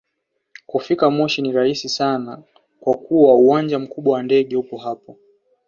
Kufika moshi ni rahisi sana kwa kuwa uwanja mkubwa wa ndege upo hapo